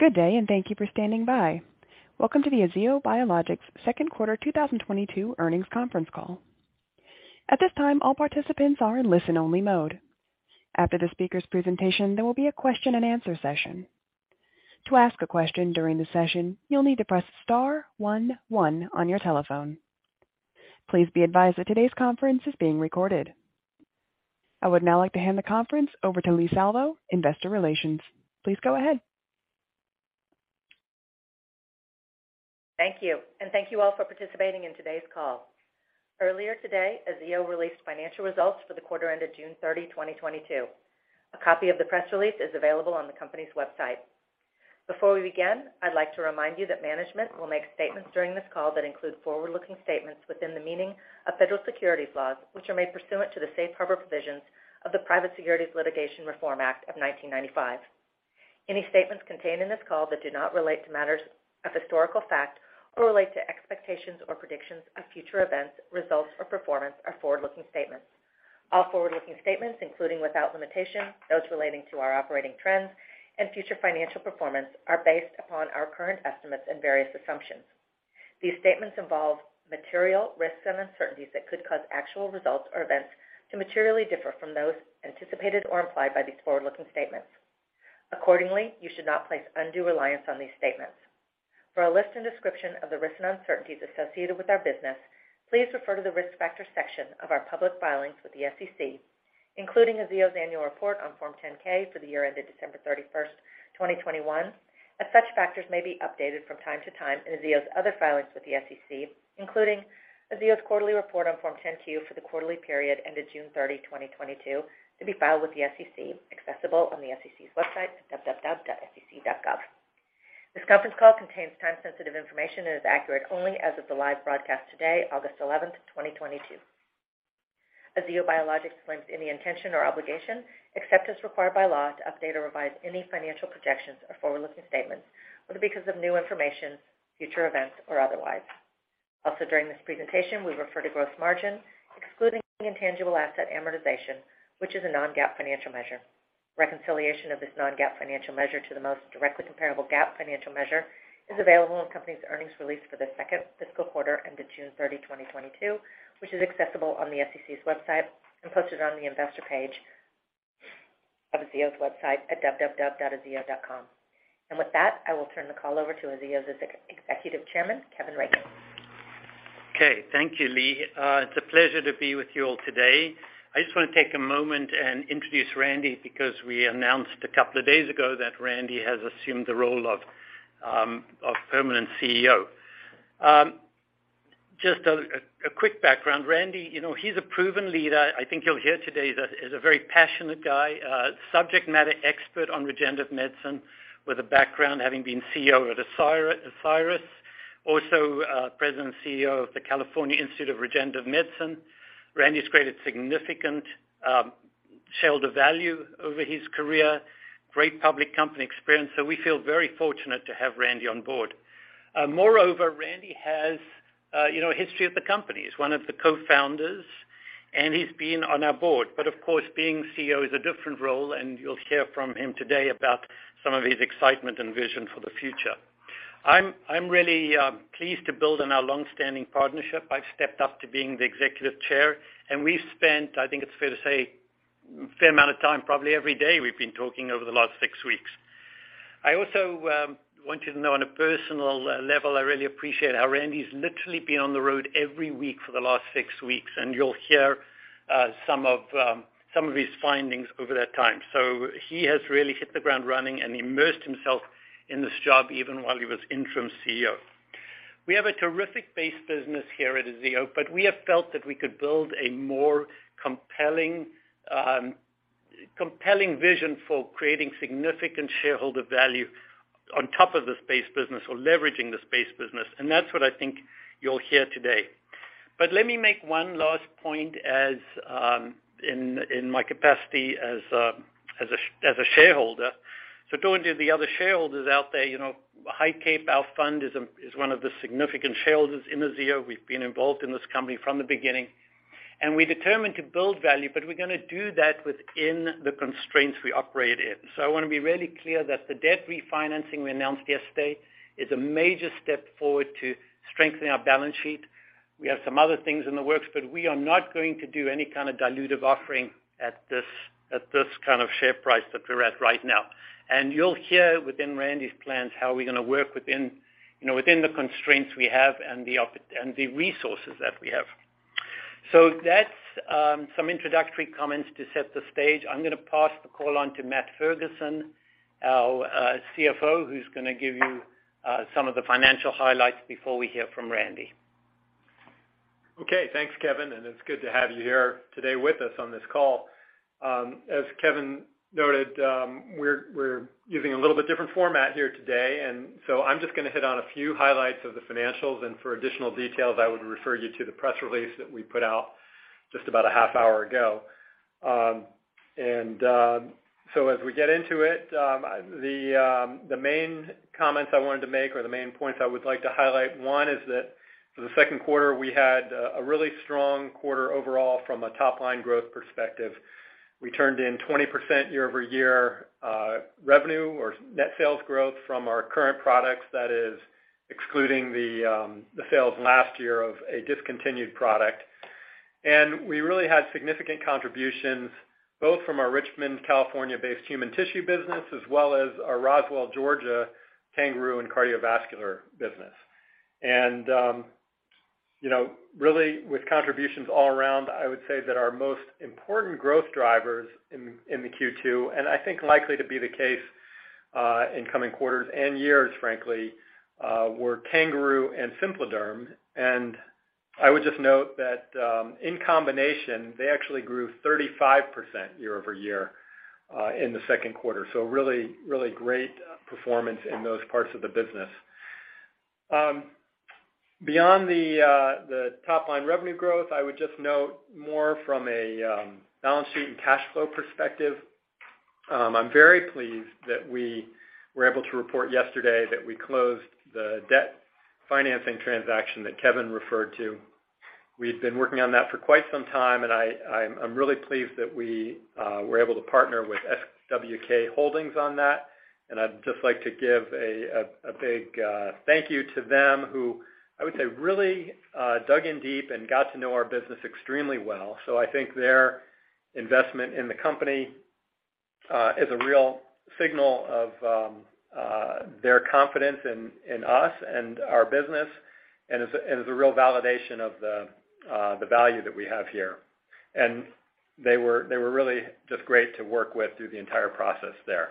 Good day, and thank you for standing by. Welcome to the Aziyo Biologics Q2 2022 earnings conference call. At this time, all participants are in listen-only mode. After the speaker's presentation, there will be a question-and-answer session. To ask a question during the session, you'll need to press star one one on your telephone. Please be advised that today's conference is being recorded. I would now like to hand the conference over to Leigh Salvo, investor relations. Please go ahead. Thank you, and thank you all for participating in today's call. Earlier today, Aziyo released financial results for the quarter ended June 30, 2022. A copy of the press release is available on the company's website. Before we begin, I'd like to remind you that management will make statements during this call that include forward-looking statements within the meaning of federal securities laws, which are made pursuant to the safe harbor provisions of the Private Securities Litigation Reform Act of 1995. Any statements contained in this call that do not relate to matters of historical fact or relate to expectations or predictions of future events, results or performance are forward-looking statements. All forward-looking statements, including without limitation those relating to our operating trends and future financial performance, are based upon our current estimates and various assumptions. These statements involve material risks and uncertainties that could cause actual results or events to materially differ from those anticipated or implied by these forward-looking statements. Accordingly, you should not place undue reliance on these statements. For a list and description of the risks and uncertainties associated with our business, please refer to the Risk Factors section of our public filings with the SEC, including Aziyo's annual report on Form 10-K for the year ended December 31st, 2021, as such factors may be updated from time to time in Aziyo's other filings with the SEC, including Aziyo's quarterly report on Form 10-Q for the quarterly period ended June 30, 2022, to be filed with the SEC, accessible on the SEC's website at www.sec.gov. This conference call contains time-sensitive information and is accurate only as of the live broadcast today, August 11th, 2022. Aziyo Biologics limits any intention or obligation, except as required by law, to update or revise any financial projections or forward-looking statements, whether because of new information, future events, or otherwise. Also, during this presentation, we refer to gross margin, excluding intangible asset amortization, which is a non-GAAP financial measure. Reconciliation of this non-GAAP financial measure to the most directly comparable GAAP financial measure is available in the company's earnings release for the second fiscal quarter ended June 30, 2022, which is accessible on the SEC's website and posted on the investor page of Aziyo's website at www.aziyo.com. With that, I will turn the call over to Aziyo's Executive Chairman, Kevin Rakin. Okay, thank you, Leigh. It's a pleasure to be with you all today. I just wanna take a moment and introduce Randy because we announced a couple of days ago that Randy has assumed the role of permanent CEO. Just a quick background. Randy, you know, he's a proven leader. I think you'll hear today that he's a very passionate guy, subject matter expert on regenerative medicine with a background having been CEO of Osiris, also President and CEO of the California Institute of Regenerative Medicine. Randy's created significant shareholder value over his career, great public company experience, so we feel very fortunate to have Randy on board. Moreover, Randy has, you know, a history with the company. He's one of the co-founders, and he's been on our board. Of course, being CEO is a different role, and you'll hear from him today about some of his excitement and vision for the future. I'm really pleased to build on our long-standing partnership. I've stepped up to being the executive chair, and we've spent, I think it's fair to say, a fair amount of time, probably every day we've been talking over the last six weeks. I also want you to know on a personal level, I really appreciate how Randy's literally been on the road every week for the last six weeks, and you'll hear some of his findings over that time. He has really hit the ground running and immersed himself in this job even while he was interim CEO. We have a terrific base business here at Aziyo, but we have felt that we could build a more compelling vision for creating significant shareholder value on top of this base business or leveraging this base business, and that's what I think you'll hear today. Let me make one last point in my capacity as a shareholder. To any of the other shareholders out there, you know, HighCape, our fund, is one of the significant shareholders in Aziyo. We've been involved in this company from the beginning. We're determined to build value, but we're gonna do that within the constraints we operate in. I wanna be really clear that the debt refinancing we announced yesterday is a major step forward to strengthening our balance sheet. We have some other things in the works, but we are not going to do any kind of dilutive offering at this kind of share price that we're at right now. You'll hear within Randy's plans how we're gonna work within the constraints we have and the resources that we have. That's some introductory comments to set the stage. I'm gonna pass the call on to Matt Ferguson, our CFO, who's gonna give you some of the financial highlights before we hear from Randy. Okay, thanks, Kevin, and it's good to have you here today with us on this call. As Kevin noted, we're using a little bit different format here today, and so I'm just gonna hit on a few highlights of the financials. For additional details, I would refer you to the press release that we put out just about a half hour ago. As we get into it, the main comments I wanted to make or the main points I would like to highlight, one is that for the Q2, we had a really strong quarter overall from a top-line growth perspective. We turned in 20% year-over-year revenue or net sales growth from our current products. That is excluding the sales last year of a discontinued product. We really had significant contributions both from our Richmond, California-based human tissue business as well as our Roswell, Georgia CanGaroo and cardiovascular business. Really with contributions all around, I would say that our most important growth drivers in the Q2, and I think likely to be the case in coming quarters and years, frankly, were CanGaroo and SimpliDerm. I would just note that in combination, they actually grew 35% year-over-year in the Q2. Really great performance in those parts of the business. Beyond the top-line revenue growth, I would just note more from a balance sheet and cash flow perspective. I'm very pleased that we were able to report yesterday that we closed the debt financing transaction that Kevin referred to. We've been working on that for quite some time, and I'm really pleased that we were able to partner with SWK Holdings on that. I'd just like to give a big thank you to them who I would say really dug in deep and got to know our business extremely well. I think their investment in the company is a real signal of their confidence in us and our business, and is a real validation of the value that we have here. They were really just great to work with through the entire process there.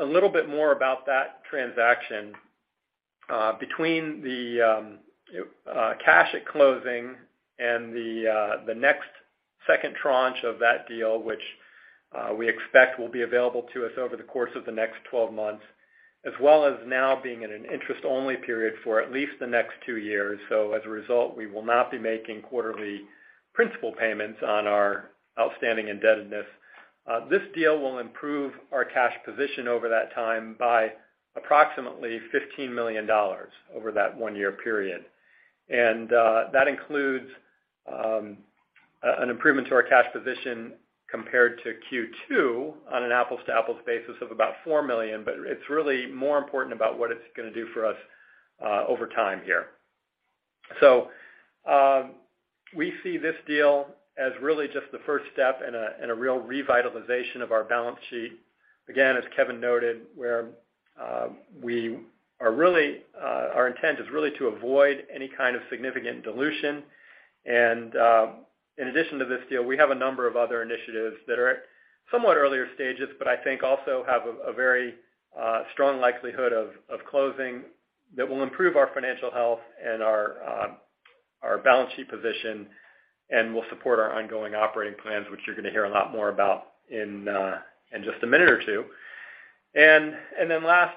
A little bit more about that transaction, between the cash at closing and the next second tranche of that deal, which we expect will be available to us over the course of the next 12 months, as well as now being in an interest-only period for at least the next two years. As a result, we will not be making quarterly principal payments on our outstanding indebtedness. This deal will improve our cash position over that time by approximately $15 million over that one-year period. That includes an improvement to our cash position compared to Q2 on an apples-to-apples basis of about $4 million, but it's really more important about what it's gonna do for us over time here. We see this deal as really just the first step in a real revitalization of our balance sheet. Again, as Kevin noted, where we are really our intent is really to avoid any kind of significant dilution. In addition to this deal, we have a number of other initiatives that are at somewhat earlier stages, but I think also have a very strong likelihood of closing that will improve our financial health and our balance sheet position and will support our ongoing operating plans, which you're gonna hear a lot more about in just a minute or two. Last,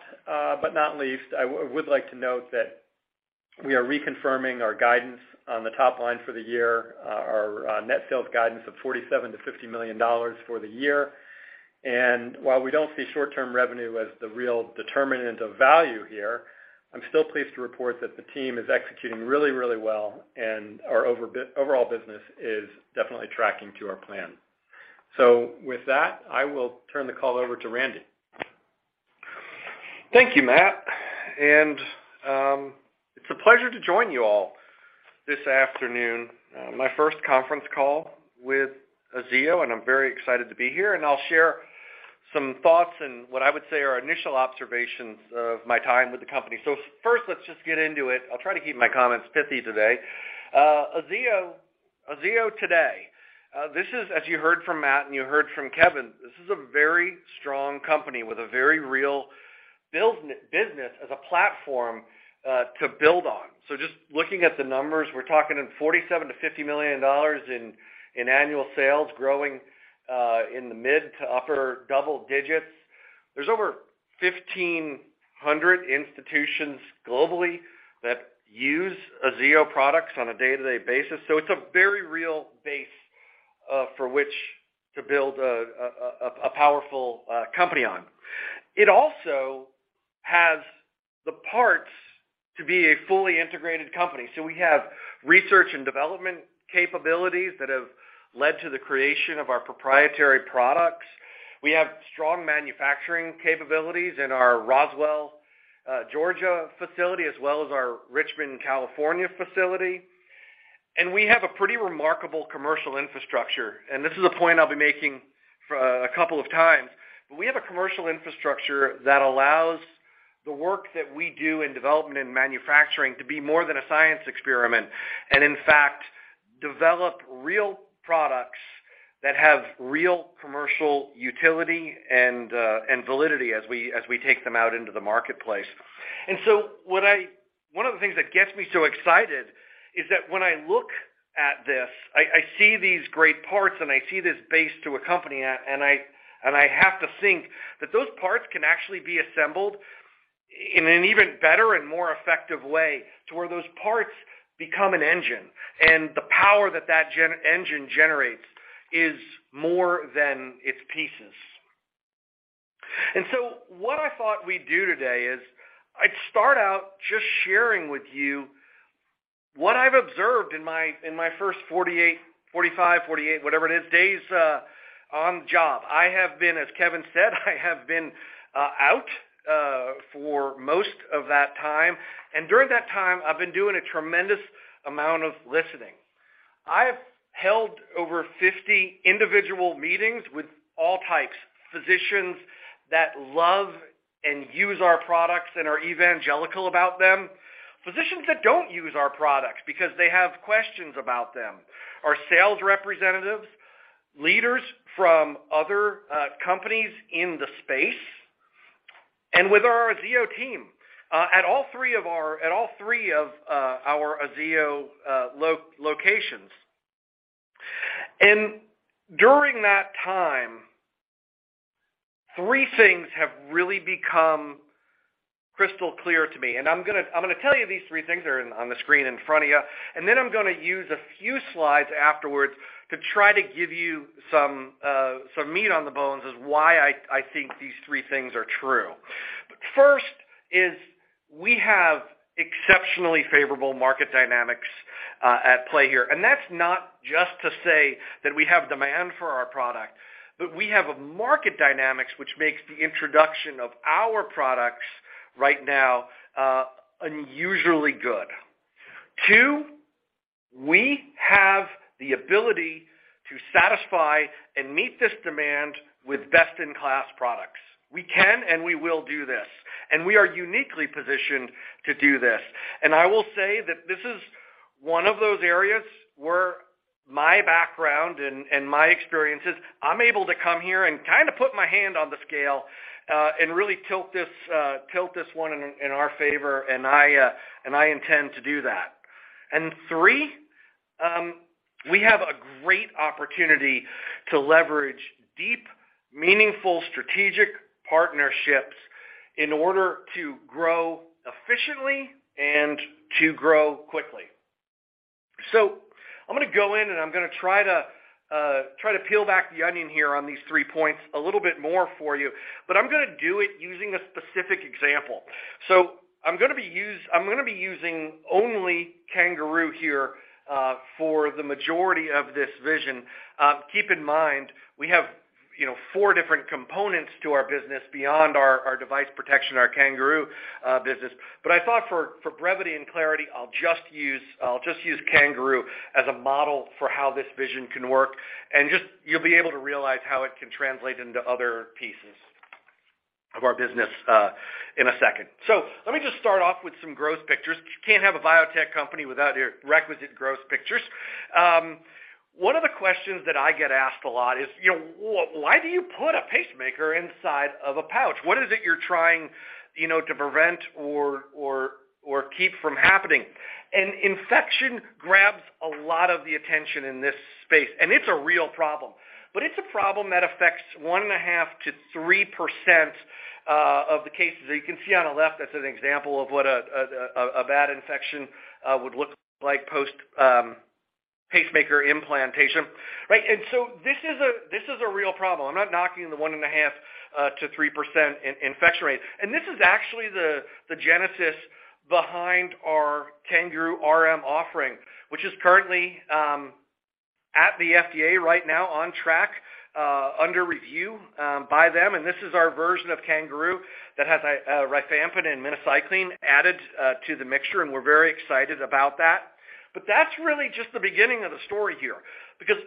but not least, I would like to note that we are reconfirming our guidance on the top line for the year, our net sales guidance of $47 million-$50 million for the year. While we don't see short-term revenue as the real determinant of value here, I'm still pleased to report that the team is executing really well, and our overall business is definitely tracking to our plan. With that, I will turn the call over to Randy. Thank you, Matt. It's a pleasure to join you all this afternoon. My first conference call with Aziyo, and I'm very excited to be here. I'll share some thoughts and what I would say are initial observations of my time with the company. First, let's just get into it. I'll try to keep my comments pithy today. Aziyo today, this is, as you heard from Matt and you heard from Kevin, this is a very strong company with a very real building business as a platform to build on. Just looking at the numbers, we're talking $47 million-$50 million in annual sales growing in the mid- to upper double digits. There's over 1,500 institutions globally that use Aziyo products on a day-to-day basis. It's a very real base for which to build a powerful company on. It also has the parts to be a fully integrated company. We have research and development capabilities that have led to the creation of our proprietary products. We have strong manufacturing capabilities in our Roswell, Georgia facility, as well as our Richmond, California facility. We have a pretty remarkable commercial infrastructure. This is a point I'll be making for a couple of times. We have a commercial infrastructure that allows the work that we do in development and manufacturing to be more than a science experiment, and in fact, develop real products that have real commercial utility and validity as we take them out into the marketplace. One of the things that gets me so excited is that when I look at this, I see these great parts, and I see this base to a company. I have to think that those parts can actually be assembled in an even better and more effective way to where those parts become an engine. The power that that engine generates is more than its pieces. What I thought we'd do today is I'd start out just sharing with you what I've observed in my first 48, 45, 48, whatever it is, days on the job. I have been, as Kevin said, out for most of that time. During that time, I've been doing a tremendous amount of listening. I have held over 50 individual meetings with all types, physicians that love and use our products and are evangelical about them. Physicians that don't use our products because they have questions about them, our sales representatives, leaders from other companies in the space, and with our Aziyo team at all three of our Aziyo locations. During that time, three things have really become crystal clear to me, and I'm gonna tell you these three things. They're on the screen in front of you, and then I'm gonna use a few slides afterwards to try to give you some meat on the bones as why I think these three things are true. First is we have exceptionally favorable market dynamics at play here. That's not just to say that we have demand for our product, but we have a market dynamics, which makes the introduction of our products right now unusually good. Two, we have the ability to satisfy and meet this demand with best-in-class products. We can, and we will do this, and we are uniquely positioned to do this. I will say that this is one of those areas where my background and my experiences, I'm able to come here and kind of put my hand on the scale and really tilt this one in our favor, and I intend to do that. Three, we have a great opportunity to leverage deep, meaningful strategic partnerships in order to grow efficiently and to grow quickly. I'm gonna go in, and I'm gonna try to peel back the onion here on these three points a little bit more for you, but I'm gonna do it using a specific example. I'm gonna be using only CanGaroo here, for the majority of this vision. Keep in mind, we have, you know, four different components to our business beyond our device protection, our CanGaroo business. I thought for brevity and clarity, I'll just use CanGaroo as a model for how this vision can work. Just you'll be able to realize how it can translate into other pieces of our business, in a second. Let me just start off with some gross pictures. You can't have a biotech company without your requisite gross pictures. One of the questions that I get asked a lot is, you know, why do you put a pacemaker inside of a pouch? What is it you're trying, you know, to prevent or keep from happening? Infection grabs a lot of the attention in this space, and it's a real problem, but it's a problem that affects 1.5%-3% of the cases. You can see on the left, that's an example of what a bad infection would look like post pacemaker implantation, right? This is a real problem. I'm not knocking the 1.5%-3% infection rate. This is actually the genesis behind our CanGaroo RM offering, which is currently at the FDA right now on track under review by them. This is our version of CanGaroo that has a rifampin and minocycline added to the mixture, and we're very excited about that. That's really just the beginning of the story here because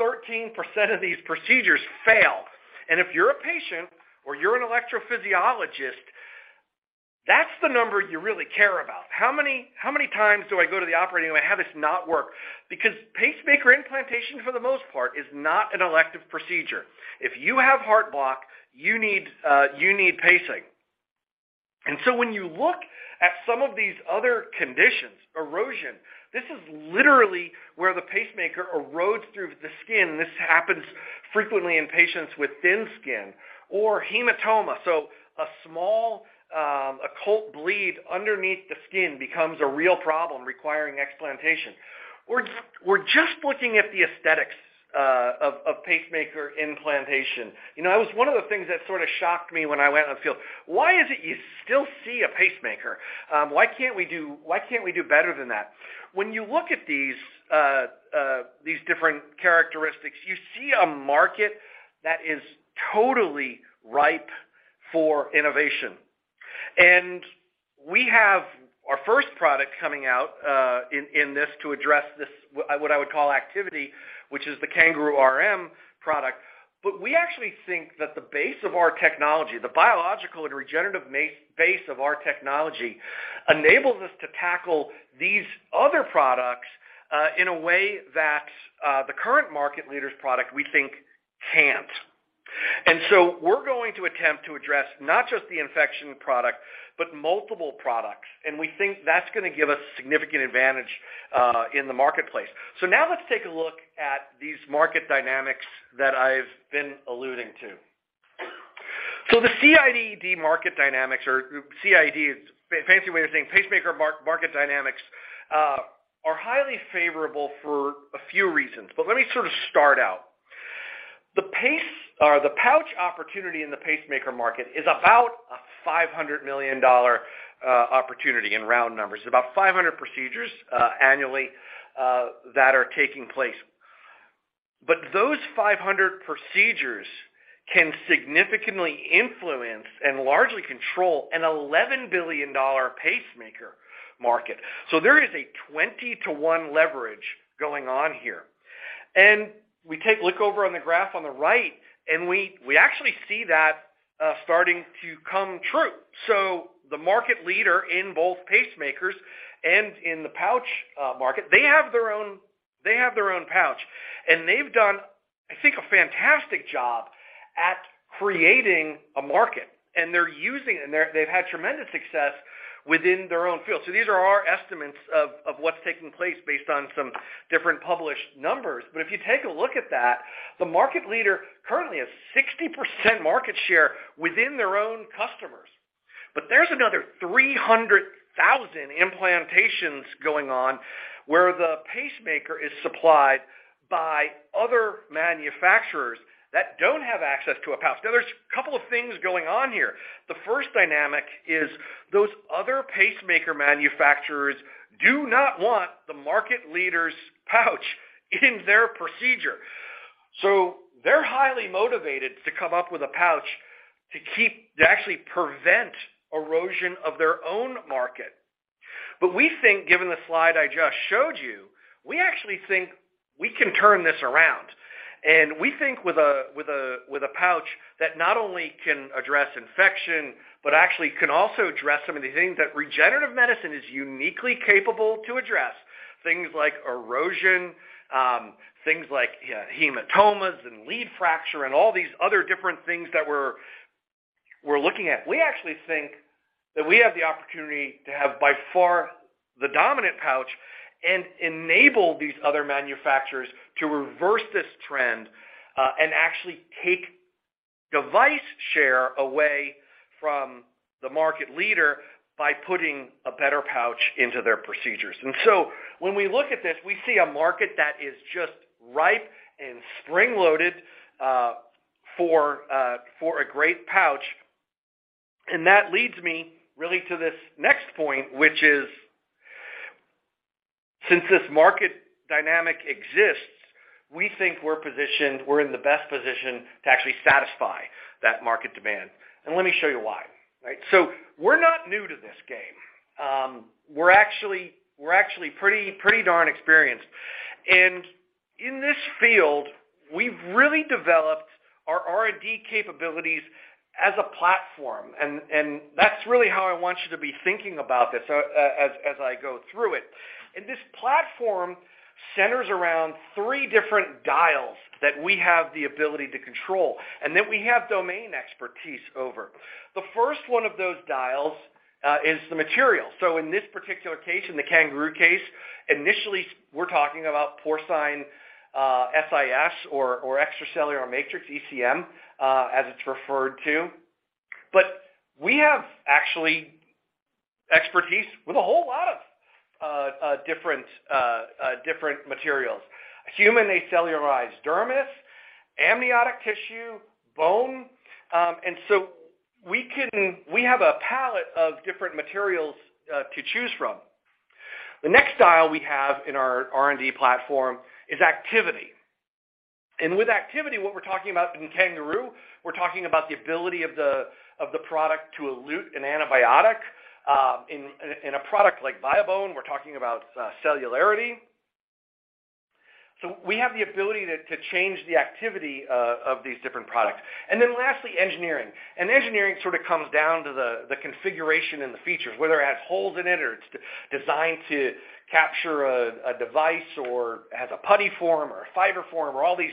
8%-13% of these procedures fail. If you're a patient or you're an electrophysiologist, that's the number you really care about. How many times do I go to the operating room, I have this not work? Because pacemaker implantation, for the most part, is not an elective procedure. If you have heart block, you need pacing. When you look at some of these other conditions, erosion, this is literally where the pacemaker erodes through the skin. This happens frequently in patients with thin skin or hematoma. A small occult bleed underneath the skin becomes a real problem requiring explantation. We're just looking at the aesthetics of pacemaker implantation. You know, that was one of the things that sort of shocked me when I went in the field. Why is it you still see a pacemaker? Why can't we do better than that? When you look at these different characteristics, you see a market that is totally ripe for innovation. We have our first product coming out in this to address this, what I would call activity, which is the CanGaroo RM product. We actually think that the base of our technology, the biological and regenerative base of our technology, enables us to tackle these other products in a way that the current market leader's product, we think can't. We're going to attempt to address not just the infection product but multiple products, and we think that's gonna give us significant advantage in the marketplace. Now let's take a look at these market dynamics that I've been alluding to. The CIED market dynamics or CIED, fancy way of saying pacemaker market dynamics, are highly favorable for a few reasons, but let me sort of start out. The pacemaker pouch opportunity in the pacemaker market is about a $500 million opportunity in round numbers. About 500 procedures annually that are taking place. Those 500 procedures can significantly influence and largely control an $11 billion pacemaker market. There is a 20-to-1 leverage going on here. We take a look over on the graph on the right, and we actually see that starting to come true. The market leader in both pacemakers and in the pouch market, they have their own pouch, and they've done, I think, a fantastic job at creating a market. They're using it, and they've had tremendous success within their own field. These are our estimates of what's taking place based on some different published numbers. If you take a look at that, the market leader currently has 60% market share within their own customers. There's another 300,000 implantations going on where the pacemaker is supplied by other manufacturers that don't have access to a pouch. Now there's a couple of things going on here. The first dynamic is those other pacemaker manufacturers do not want the market leader's pouch in their procedure. They're highly motivated to come up with a pouch to actually prevent erosion of their own market. We think, given the slide I just showed you, we actually think we can turn this around. We think with a pouch that not only can address infection, but actually can also address some of the things that regenerative medicine is uniquely capable to address. Things like erosion, things like, yeah, hematomas and lead fracture and all these other different things that we're looking at. We actually think that we have the opportunity to have, by far, the dominant pouch and enable these other manufacturers to reverse this trend and actually take device share away from the market leader by putting a better pouch into their procedures. When we look at this, we see a market that is just ripe and spring-loaded for a great pouch. That leads me really to this next point, which is since this market dynamic exists, we think we're positioned, we're in the best position to actually satisfy that market demand. Let me show you why, right? We're not new to this game. We're actually pretty darn experienced. In this field, we've really developed our R&D capabilities as a platform. That's really how I want you to be thinking about this, as I go through it. This platform centers around three different dials that we have the ability to control and that we have domain expertise over. The first one of those dials is the material. In this particular case, in the CanGaroo case, initially we're talking about porcine SIS or extracellular matrix, ECM, as it's referred to. But we have actually expertise with a whole lot of different materials. Human acellularized dermis, amniotic tissue, bone. We have a palette of different materials to choose from. The next dial we have in our R&D platform is activity. With activity, what we're talking about in CanGaroo, we're talking about the ability of the product to elute an antibiotic. In a product like VasCure, we're talking about cellularity. We have the ability to change the activity of these different products. Lastly, engineering. Engineering sort of comes down to the configuration and the features, whether it has holes in it or it's designed to capture a device or has a putty form or a fiber form or all these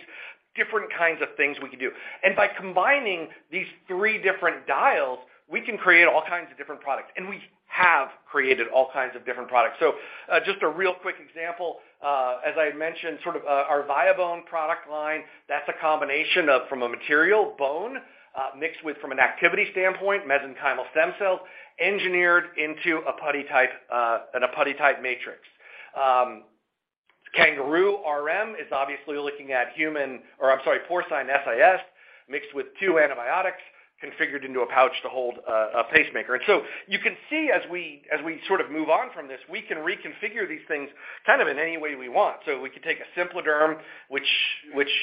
different kinds of things we can do. By combining these three different dials, we can create all kinds of different products, and we have created all kinds of different products. Just a real quick example, as I mentioned, sort of, our VasCure product line, that's a combination of, from a material bone, mixed with, from an activity standpoint, mesenchymal stem cells engineered into a putty-type matrix. CanGaroo RM is obviously looking at human, or I'm sorry, porcine SIS mixed with two antibiotics configured into a pouch to hold a pacemaker. You can see as we sort of move on from this, we can reconfigure these things kind of in any way we want. We could take a SimpliDerm, which,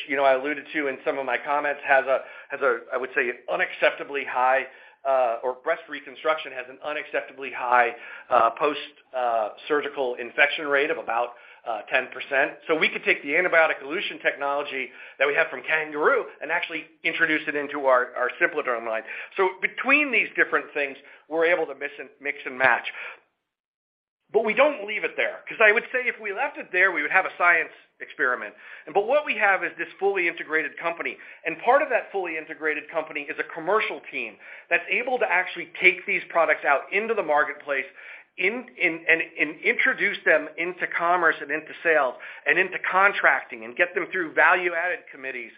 you know, I alluded to in some of my comments, has a, I would say, unacceptably high, or breast reconstruction has an unacceptably high, post-surgical infection rate of about 10%. We could take the antibiotic elution technology that we have from CanGaroo and actually introduce it into our SimpliDerm line. Between these different things, we're able to mix and match. We don't leave it there, 'cause I would say if we left it there, we would have a science experiment. What we have is this fully integrated company, and part of that fully integrated company is a commercial team that's able to actually take these products out into the marketplace and introduce them into commerce and into sales and into contracting and get them through value-added committees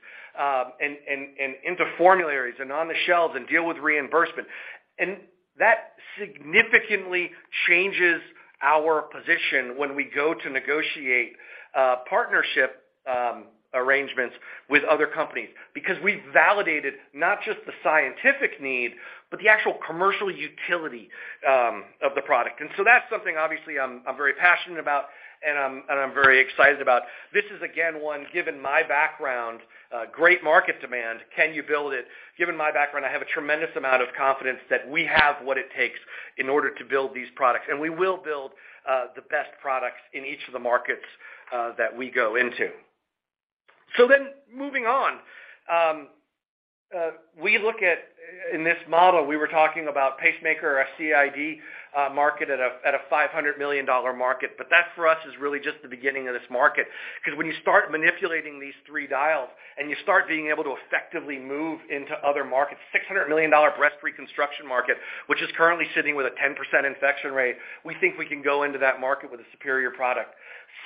into formularies and on the shelves and deal with reimbursement. That significantly changes our position when we go to negotiate partnership arrangements with other companies because we validated not just the scientific need but the actual commercial utility of the product. That's something obviously I'm very passionate about and I'm very excited about. This is again one, given my background, great market demand. Can you build it? Given my background, I have a tremendous amount of confidence that we have what it takes in order to build these products, and we will build the best products in each of the markets that we go into. Moving on. We look at in this model, we were talking about pacemaker or CIED market at a $500 million market. That for us is really just the beginning of this market. Because when you start manipulating these three dials and you start being able to effectively move into other markets, $600 million breast reconstruction market, which is currently sitting with a 10% infection rate. We think we can go into that market with a superior product.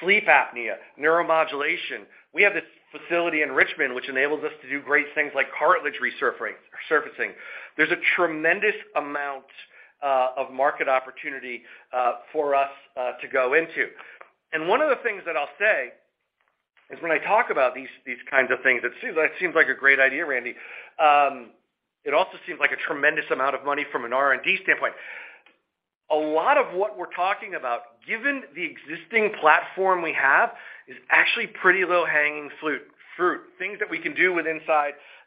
Sleep apnea, neuromodulation. We have this facility in Richmond which enables us to do great things like cartilage resurfacing. There's a tremendous amount of market opportunity for us to go into. One of the things that I'll say is when I talk about these kinds of things, it seems like a great idea, Randy. It also seems like a tremendous amount of money from an R&D standpoint. A lot of what we're talking about, given the existing platform we have, is actually pretty low-hanging fruit, things that we can do within,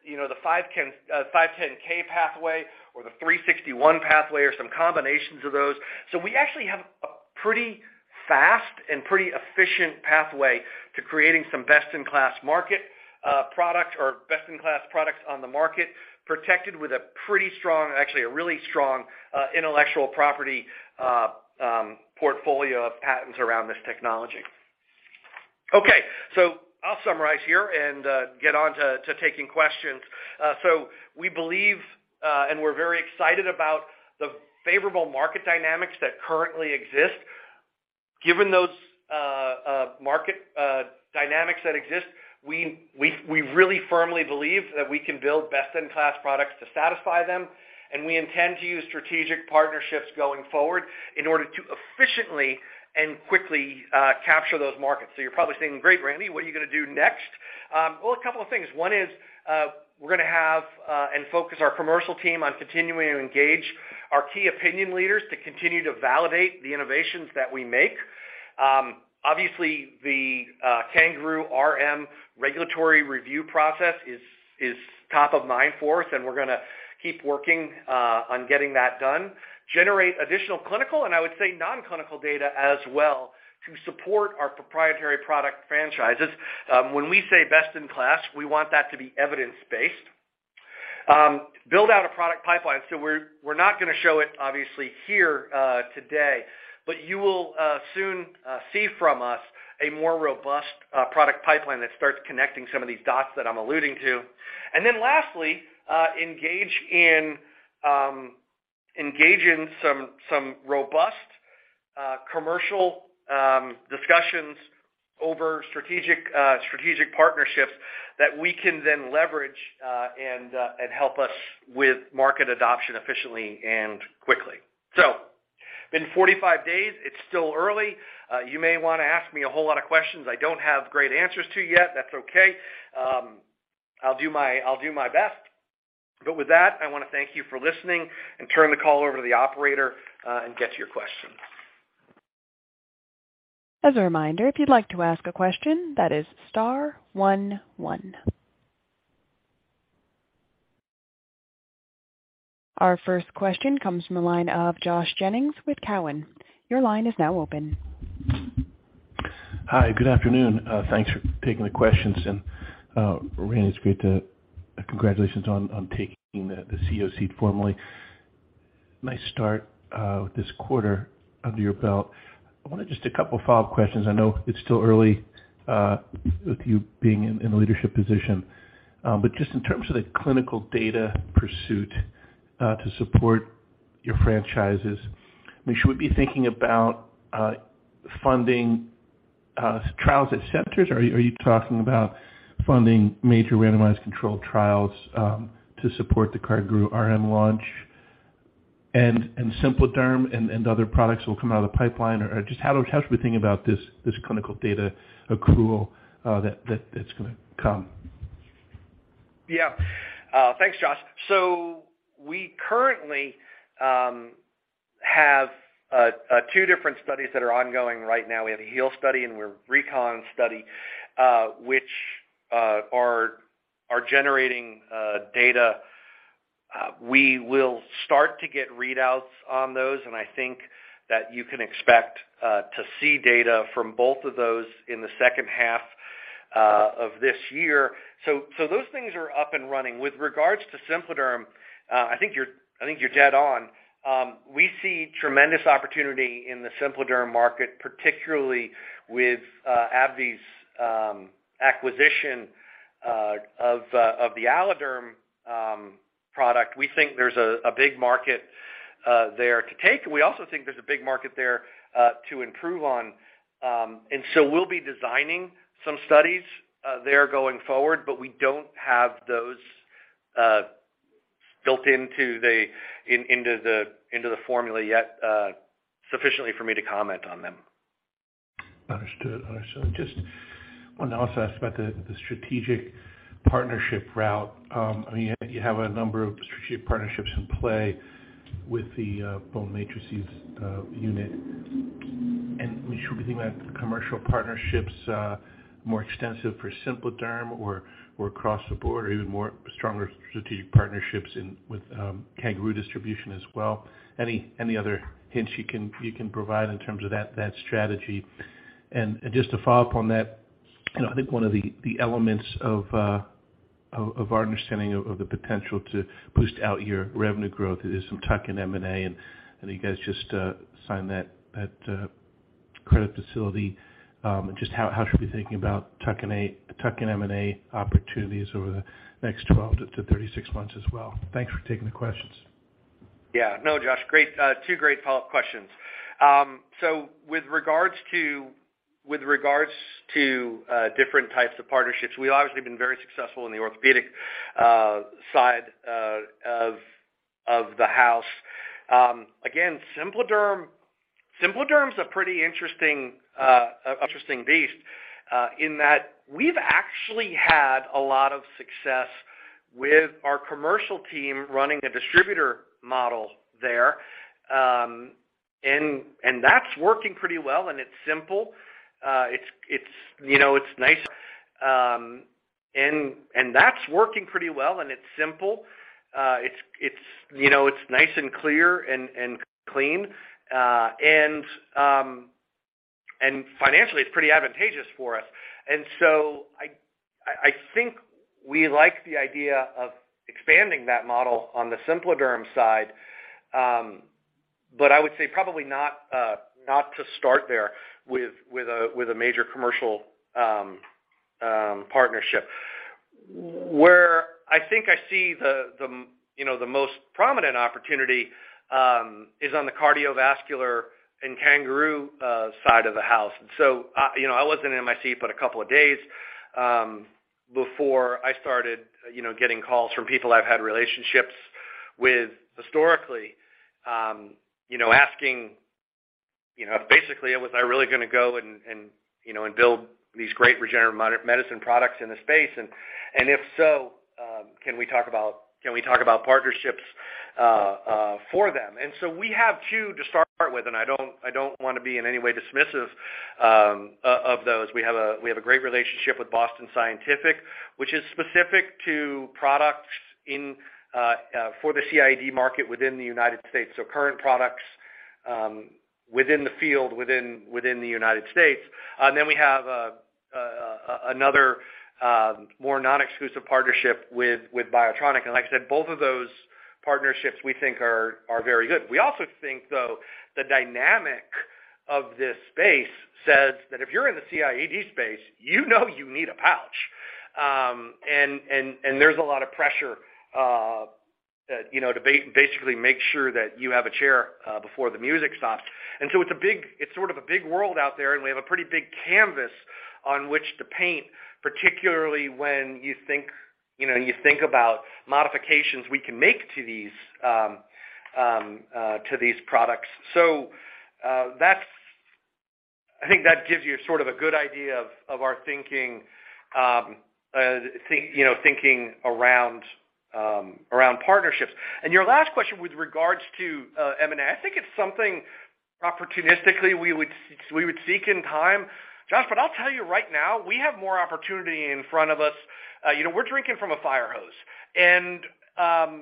you know, the 510K pathway or the 361 pathway or some combinations of those. We actually have a pretty fast and pretty efficient pathway to creating some best-in-class marketed product or best-in-class products on the market, protected with a pretty strong, actually a really strong, intellectual property portfolio of patents around this technology. Okay, I'll summarize here and get on to taking questions. We believe and we're very excited about the favorable market dynamics that currently exist. Given those market dynamics that exist, we really firmly believe that we can build best-in-class products to satisfy them, and we intend to use strategic partnerships going forward in order to efficiently and quickly capture those markets. You're probably saying, "Great, Randy, what are you gonna do next?" Well, a couple of things. One is, we're gonna focus our commercial team on continuing to engage our key opinion leaders to continue to validate the innovations that we make. Obviously the CanGaroo RM regulatory review process is top of mind for us, and we're gonna keep working on getting that done. Generate additional clinical, and I would say non-clinical data as well, to support our proprietary product franchises. When we say best in class, we want that to be evidence-based. Build out a product pipeline. We're not gonna show it obviously here, today, but you will soon see from us a more robust product pipeline that starts connecting some of these dots that I'm alluding to. Lastly, engage in some robust commercial discussions over strategic partnerships that we can then leverage and help us with market adoption efficiently and quickly. It's been 45 days, it's still early. You may wanna ask me a whole lot of questions I don't have great answers to yet. That's okay. I'll do my best. With that, I wanna thank you for listening and turn the call over to the operator, and get to your questions. As a reminder, if you'd like to ask a question, that is star one one. Our first question comes from the line of Josh Jennings with Cowen. Your line is now open. Hi. Good afternoon. Thanks for taking the questions. Randy, it's great, congratulations on taking the CEO seat formally. Nice start with this quarter under your belt. I wanted just a couple follow-up questions. I know it's still early with you being in a leadership position. But just in terms of the clinical data pursuit to support your franchises, I mean, should we be thinking about funding trials at centers, or are you talking about funding major randomized controlled trials to support the CanGaroo RM launch and SimpliDerm and other products that will come out of the pipeline? Or just how should we think about this clinical data accrual that that's gonna come? Yeah. Thanks, Josh. We currently have two different studies that are ongoing right now. We have a HEAL study and a RECON Study, which are generating data. We will start to get readouts on those, and I think that you can expect to see data from both of those in the H2 of this year. Those things are up and running. With regards to SimpliDerm, I think you're dead on. We see tremendous opportunity in the SimpliDerm market, particularly with Allergan's acquisition of the AlloDerm product. We think there's a big market there to take. We also think there's a big market there to improve on. We'll be designing some studies there going forward, but we don't have those built into the formula yet sufficiently for me to comment on them. Understood. Just want to also ask about the strategic partnership route. I mean, you have a number of strategic partnerships in play with the bone matrices unit. We should be thinking about commercial partnerships more extensive for SimpliDerm or across the board, even more stronger strategic partnerships with CanGaroo distribution as well. Any other hints you can provide in terms of that strategy. Just to follow up on that, you know, I think one of the elements of our understanding of the potential to boost out your revenue growth is some tuck-in M&A, and I know you guys just signed that credit facility. Just how should we be thinking about tuck-in M&A opportunities over the next 12-36 months as well? Thanks for taking the questions. Yeah. No, Josh. Great. Two great follow-up questions. With regards to different types of partnerships, we obviously have been very successful in the orthopedic side of the house. Again, SimpliDerm's a pretty interesting beast, in that we've actually had a lot of success with our commercial team running a distributor model there. That's working pretty well, and it's simple. It's, you know, it's nice and clear and clean. Financially it's pretty advantageous for us. I think we like the idea of expanding that model on the SimpliDerm side. I would say probably not to start there with a major commercial partnership. Where I think I see the you know the most prominent opportunity is on the cardiovascular and CanGaroo side of the house. You know I wasn't in my seat but a couple of days before I started you know getting calls from people I've had relationships with historically you know asking you know basically are you really gonna go and you know and build these great regenerative medicine products in the space? And if so can we talk about can we talk about partnerships for them? We have two to start with and I don't wanna be in any way dismissive of those. We have a great relationship with Boston Scientific, which is specific to products for the CIED market within the United States, so current products within the United States. We have another more non-exclusive partnership with BIOTRONIK. Like I said, both of those partnerships we think are very good. We also think, though, the dynamic of this space says that if you're in the CIED space, you know you need a pouch. There's a lot of pressure, you know, to basically make sure that you have a chair before the music stops. It's sort of a big world out there, and we have a pretty big canvas on which to paint, particularly when you think, you know, you think about modifications we can make to these products. I think that gives you sort of a good idea of our thinking, you know, thinking around partnerships. Your last question with regards to M&A, I think it's something opportunistically we would seek in time, Josh, but I'll tell you right now, we have more opportunity in front of us. You know, we're drinking from a fire hose.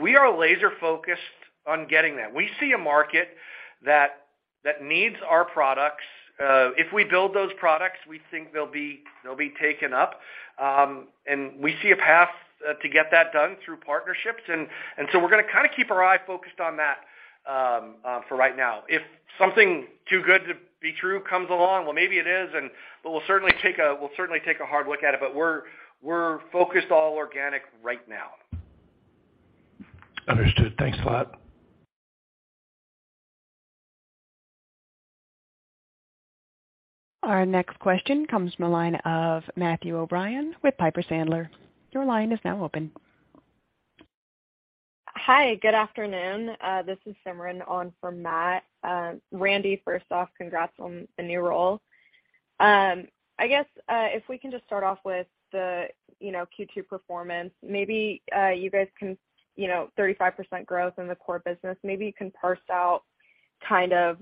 We are laser-focused on getting that. We see a market that needs our products. If we build those products, we think they'll be taken up. We see a path to get that done through partnerships, and so we're gonna kinda keep our eye focused on that for right now. If something too good to be true comes along, well, maybe it is, but we'll certainly take a hard look at it, but we're focused on organic right now. Understood. Thanks a lot. Our next question comes from the line of Matthew O'Brien with Piper Sandler. Your line is now open. Hi. Good afternoon. This is Simran on for Matt. Randy, first off, congrats on the new role. I guess, if we can just start off with the, you know, Q2 performance, maybe, you guys can, you know, 35% growth in the core business. Maybe you can parse out kind of,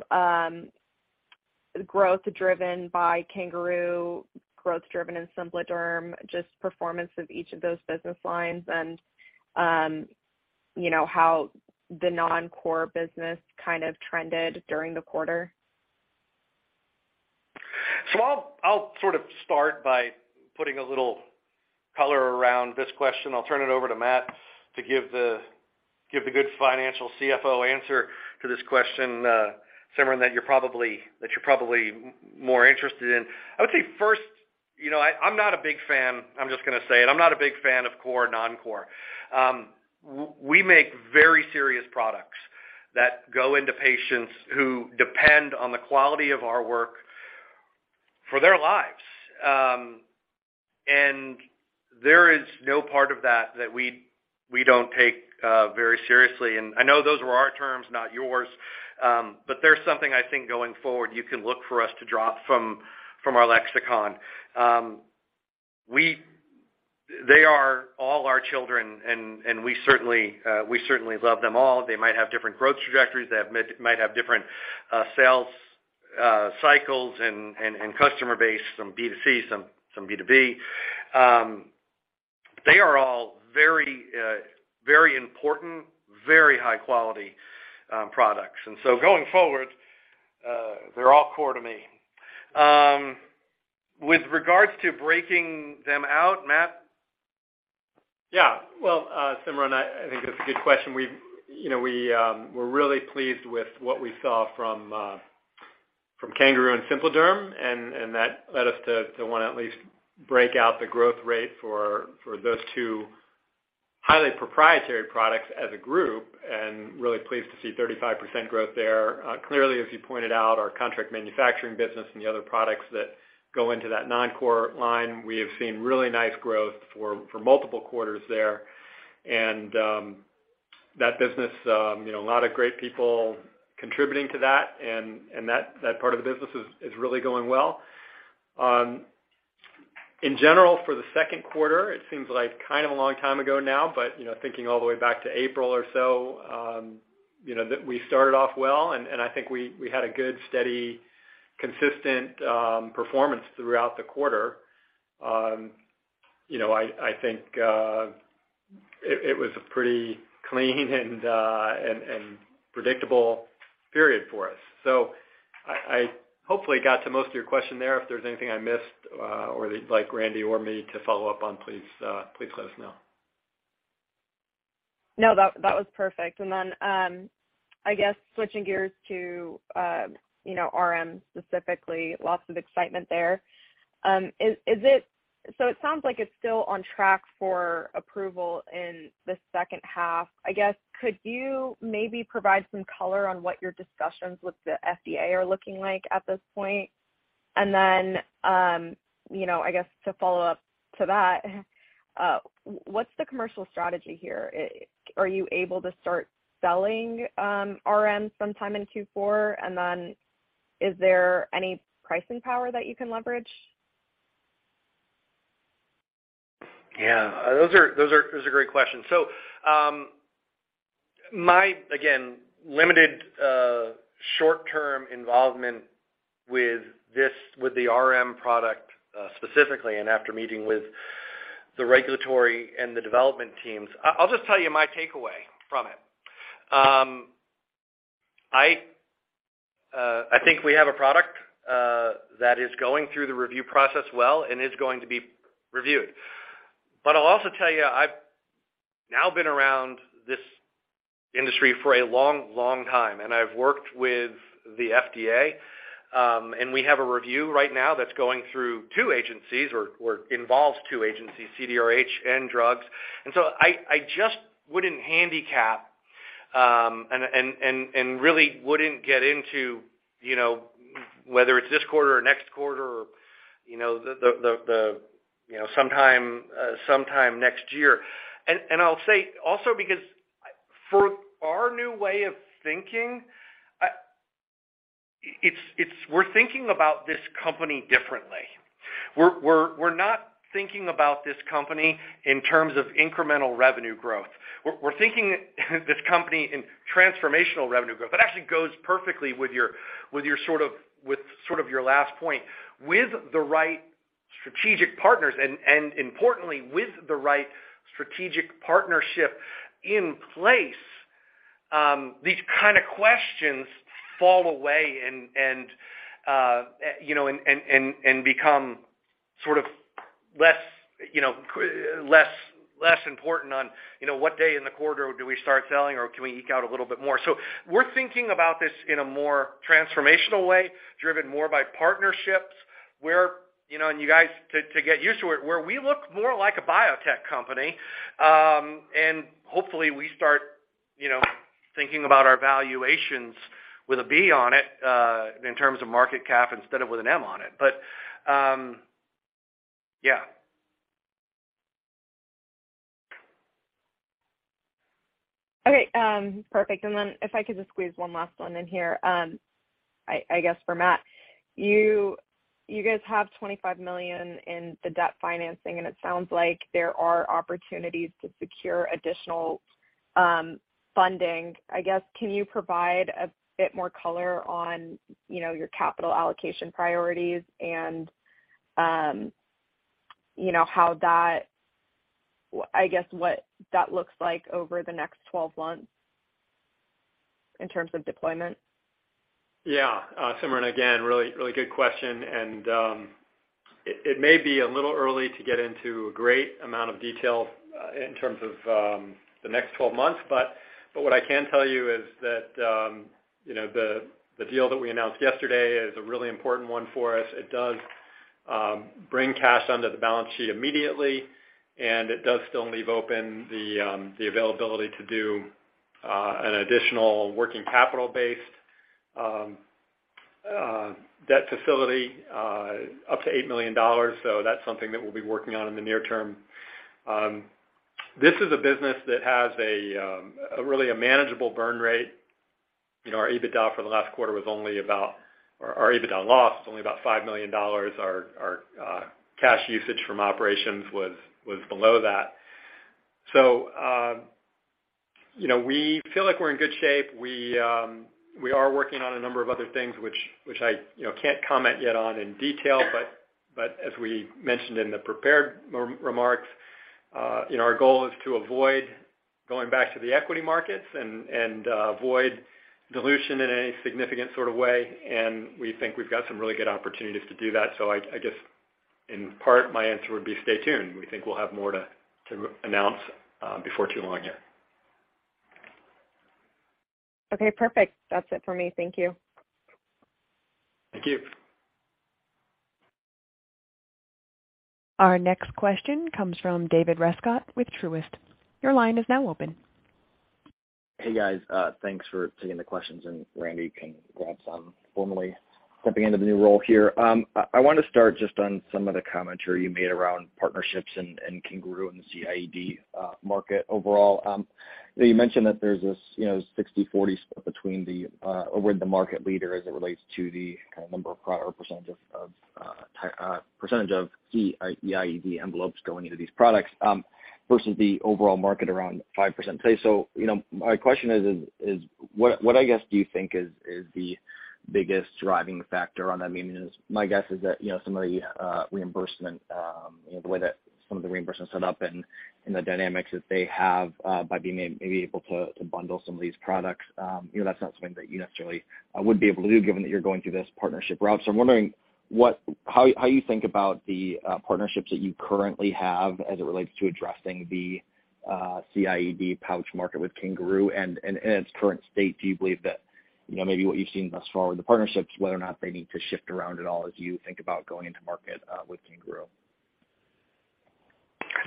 growth driven by CanGaroo, growth driven in SimpliDerm, just performance of each of those business lines, and, you know, how the non-core business kind of trended during the quarter. I'll sort of start by putting a little color around this question. I'll turn it over to Matt to give the good financial CFO answer to this question, Simran, that you're probably more interested in. I would say first. You know, I'm not a big fan. I'm just gonna say it. I'm not a big fan of core non-core. We make very serious products that go into patients who depend on the quality of our work for their lives. There is no part of that that we don't take very seriously. I know those were our terms, not yours. There's something I think going forward you can look for us to drop from our lexicon. They are all our children and we certainly love them all. They might have different growth trajectories. They might have different sales cycles and customer base, some B2C, some B2B. They are all very important, very high quality products. Going forward, they're all core to me. With regards to breaking them out, Matt? Yeah. Well, Simran, I think that's a good question. We've, you know, we're really pleased with what we saw from CanGaroo and SimpliDerm, and that led us to wanna at least break out the growth rate for those two highly proprietary products as a group, and really pleased to see 35% growth there. Clearly, as you pointed out, our contract manufacturing business and the other products that go into that non-core line, we have seen really nice growth for multiple quarters there. that business, you know, a lot of great people contributing to that and that part of the business is really going well. In general, for the Q2, it seems like kind of a long time ago now, but you know, thinking all the way back to April or so, you know, that we started off well, and I think we had a good, steady, consistent performance throughout the quarter. You know, I think it was a pretty clean and predictable period for us. I hopefully got to most of your question there. If there's anything I missed, or that you'd like Randy or me to follow up on, please let us know. No. That was perfect. I guess switching gears to you know RM specifically, lots of excitement there. It sounds like it's still on track for approval in the H2. I guess could you maybe provide some color on what your discussions with the FDA are looking like at this point? You know, I guess to follow up to that, what's the commercial strategy here? Are you able to start selling RM sometime in Q4? Is there any pricing power that you can leverage? Yeah. Those are great questions. My, again, limited short-term involvement with this, with the RM product, specifically, and after meeting with the regulatory and the development teams, I'll just tell you my takeaway from it. I think we have a product that is going through the review process well and is going to be reviewed. I'll also tell you, I've now been around this industry for a long, long time, and I've worked with the FDA, and we have a review right now that's going through two agencies or involves two agencies, CDRH and Drugs. I just wouldn't handicap and really wouldn't get into, you know, whether it's this quarter or next quarter or, you know, sometime next year. I'll say also because for our new way of thinking, it's we're thinking about this company differently. We're not thinking about this company in terms of incremental revenue growth. We're thinking this company in transformational revenue growth. That actually goes perfectly with your sort of your last point. With the right strategic partners and importantly, with the right strategic partnership in place, these kind of questions fall away and you know and become sort of less you know less important on you know what day in the quarter do we start selling or can we eke out a little bit more. We're thinking about this in a more transformational way, driven more by partnerships, where and you guys too to get used to it, where we look more like a biotech company. Hopefully we start thinking about our valuations with a B on it in terms of market cap instead of with an M on it. Yeah. Okay. Perfect. If I could just squeeze one last one in here, I guess for Matt. You guys have $25 million in the debt financing, and it sounds like there are opportunities to secure additional funding. I guess, can you provide a bit more color on, you know, your capital allocation priorities and, you know, how that, I guess what that looks like over the next 12 months in terms of deployment? Yeah. Simran, again, really good question, and it may be a little early to get into a great amount of detail in terms of the next 12 months. What I can tell you is that, you know, the deal that we announced yesterday is a really important one for us. It does bring cash onto the balance sheet immediately, and it does still leave open the availability to do an additional working capital-based debt facility up to $8 million. That's something that we'll be working on in the near term. This is a business that has a really manageable burn rate. You know, our EBITDA loss for the last quarter was only about $5 million. Our cash usage from operations was below that. You know, we feel like we're in good shape. We are working on a number of other things which I, you know, can't comment yet on in detail, but as we mentioned in the prepared remarks, you know, our goal is to avoid going back to the equity markets and avoid dilution in any significant sort of way. We think we've got some really good opportunities to do that. I guess, in part, my answer would be stay tuned. We think we'll have more to announce before too long here. Okay, perfect. That's it for me. Thank you. Thank you. Our next question comes from David Rescott with Truist. Your line is now open. Hey, guys. Thanks for taking the questions, and Randy, you can grab some for me, stepping into the new role here. I wanna start just on some of the commentary you made around partnerships and CanGaroo and the CIED market overall. You mentioned that there's this, you know, 60/40 split between or with the market leader as it relates to the kind of number of product or percentage of CIED envelopes going into these products versus the overall market around 5%. You know, my question is what, I guess, do you think is the biggest driving factor on that? I mean, my guess is that, you know, some of the reimbursement, you know, the way that some of the reimbursement is set up and the dynamics that they have by being able to bundle some of these products, you know, that's not something that you necessarily would be able to do given that you're going through this partnership route. I'm wondering how you think about the partnerships that you currently have as it relates to addressing the CIED pouch market with CanGaroo and in its current state, do you believe that, you know, maybe what you've seen thus far with the partnerships, whether or not they need to shift around at all as you think about going into market with CanGaroo?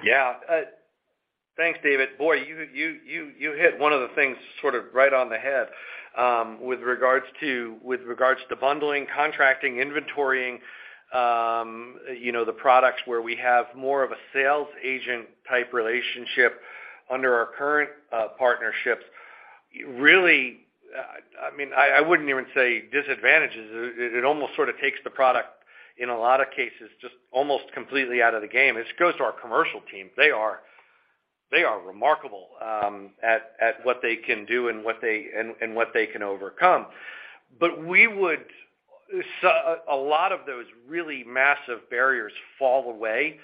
Yeah. Thanks, David. Boy, you hit one of the things sort of right on the head with regards to bundling, contracting, inventorying, you know, the products where we have more of a sales agent type relationship under our current partnerships. Really, I mean, I wouldn't even say disadvantages. It almost sort of takes the product, in a lot of cases, just almost completely out of the game. It goes to our commercial team. They are remarkable at what they can do and what they can overcome. A lot of those really massive barriers fall away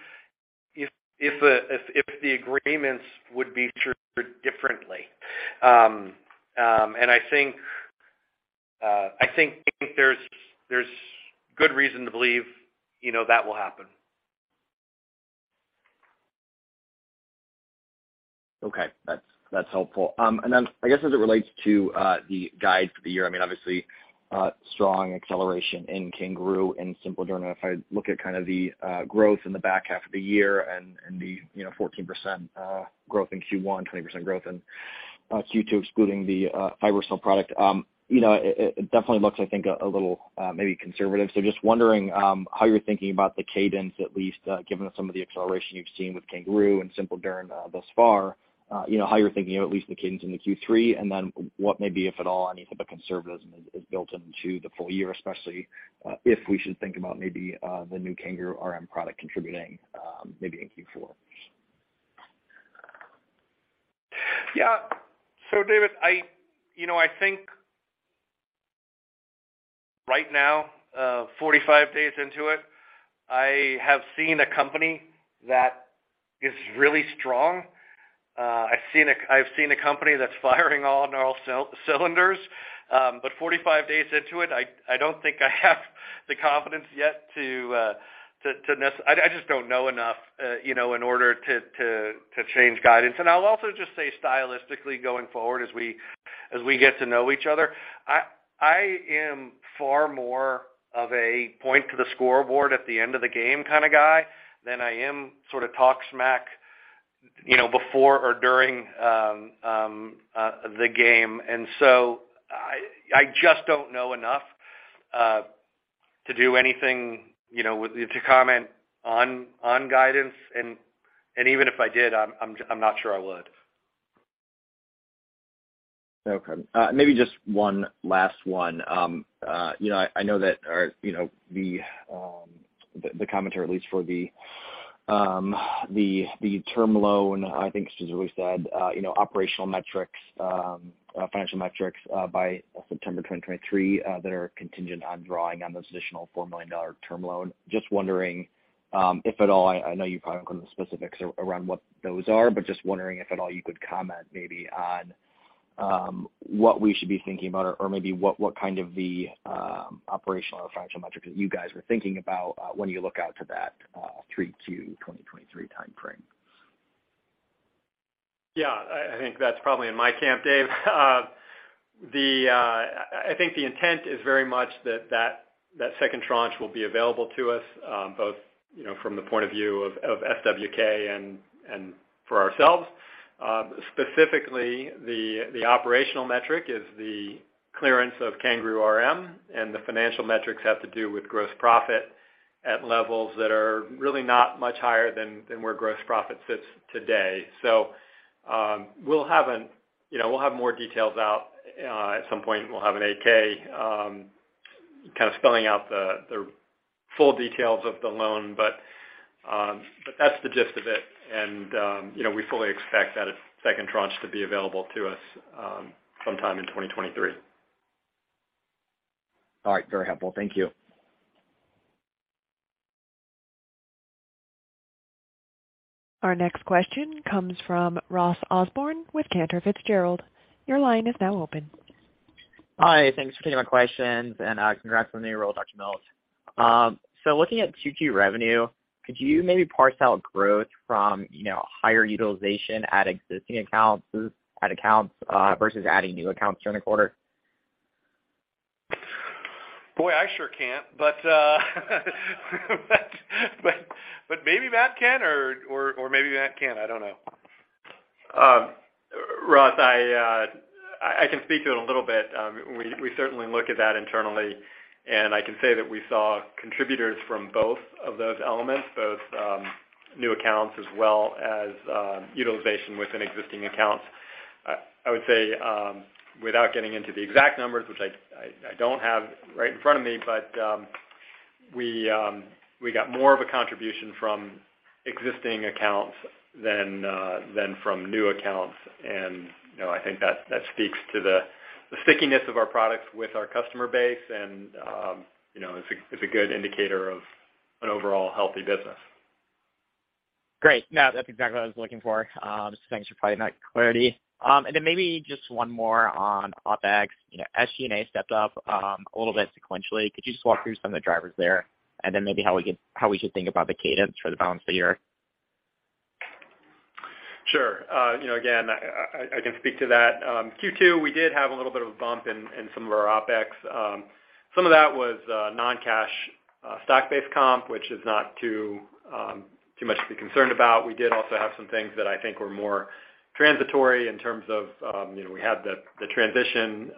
if the agreements would be treated differently. I think there's good reason to believe, you know, that will happen. Okay. That's helpful. I guess as it relates to the guide for the year, I mean, obviously, strong acceleration in CanGaroo and SimpliDerm. If I look at kind of the growth in the back half of the year and the, you know, 14% growth in Q1, 20% growth in Q2, excluding the FiberCel product, you know, it definitely looks, I think, a little maybe conservative. Just wondering, how you're thinking about the cadence at least, given some of the acceleration you've seen with CanGaroo and SimpliDerm, thus far, you know, how you're thinking of at least the cadence in the Q3, and then what maybe, if at all, any type of conservatism is built into the full year, especially, if we should think about maybe, the new CanGaroo RM product contributing, maybe in Q4. Yeah. David, you know, I think right now, 45 days into it, I have seen a company that is really strong. I've seen a company that's firing on all cylinders. But 45 days into it, I don't think I have the confidence yet. I just don't know enough, you know, in order to change guidance. I'll also just say stylistically going forward as we get to know each other, I am far more of a point to the scoreboard at the end of the game kind of guy than I am sort of talk smack, you know, before or during the game. I just don't know enough to do anything, you know, to comment on guidance. Even if I did, I'm not sure I would. Okay. Maybe just one last one. You know, I know that our, you know, the commentary, at least for the term loan, I think you said, you know, operational metrics, financial metrics, by September 2023, that are contingent on drawing on those additional $4 million term loan. Just wondering, if at all, I know you probably don't go into the specifics around what those are, but just wondering if at all you could comment maybe on what we should be thinking about or maybe what kind of the operational or financial metrics that you guys are thinking about, when you look out to that 3Q 2023 time frame. Yeah, I think that's probably in my camp, Dave. I think the intent is very much that second tranche will be available to us, both, you know, from the point of view of SWK and for ourselves. Specifically, the operational metric is the clearance of CanGaroo RM, and the financial metrics have to do with gross profit at levels that are really not much higher than where gross profit sits today. We'll have more details out at some point, and we'll have an 8-K kind of spelling out the full details of the loan. That's the gist of it. You know, we fully expect that second tranche to be available to us sometime in 2023. All right. Very helpful. Thank you. Our next question comes from Ross Osborn with Cantor Fitzgerald. Your line is now open. Hi. Thanks for taking my questions, and congrats on the new role, Dr. Mills. Looking at Q2 revenue, could you maybe parse out growth from, you know, higher utilization at existing accounts versus adding new accounts during the quarter? Boy, I sure can't, but maybe Matt can or maybe Matt can't, I don't know. Ross, I can speak to it a little bit. We certainly look at that internally, and I can say that we saw contributors from both of those elements, new accounts as well as utilization within existing accounts. I would say, without getting into the exact numbers, which I don't have right in front of me, but we got more of a contribution from existing accounts than from new accounts. You know, I think that speaks to the stickiness of our products with our customer base and you know, is a good indicator of an overall healthy business. Great. No, that's exactly what I was looking for. Thanks for providing that clarity. Maybe just one more on OpEx. You know, SG&A stepped up a little bit sequentially. Could you just walk through some of the drivers there and then maybe how we should think about the cadence for the balance of the year? Sure. You know, again, I can speak to that. Q2, we did have a little bit of a bump in some of our OpEx. Some of that was non-cash stock-based comp, which is not too much to be concerned about. We did also have some things that I think were more transitory in terms of, you know, we had the transition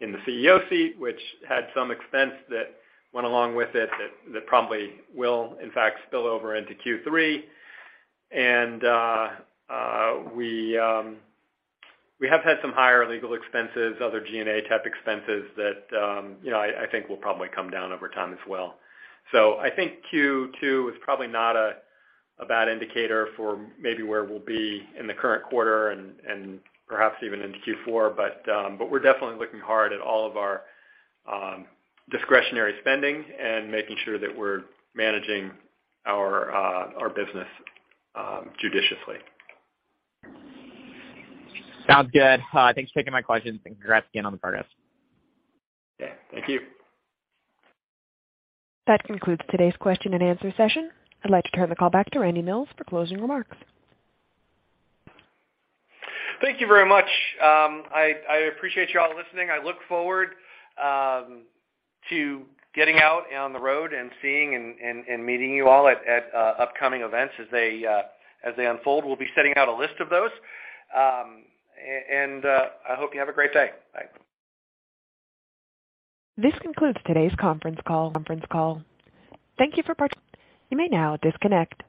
in the CEO seat, which had some expense that went along with it, that probably will in fact spill over into Q3. We have had some higher legal expenses, other G&A type expenses that, you know, I think will probably come down over time as well. I think Q2 is probably not a bad indicator for maybe where we'll be in the current quarter and perhaps even into Q4. But we're definitely looking hard at all of our discretionary spending and making sure that we're managing our business judiciously. Sounds good. Thanks for taking my questions and congrats again on the progress. Okay. Thank you. That concludes today's question and answer session. I'd like to turn the call back to Randy Mills for closing remarks. Thank you very much. I appreciate you all listening. I look forward to getting out on the road and seeing and meeting you all at upcoming events as they unfold. We'll be sending out a list of those. I hope you have a great day. Bye. This concludes today's conference call. Thank you for participating. You may now disconnect.